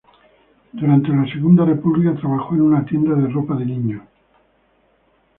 Durante la Segunda República trabajó en una tienda de ropa de niños.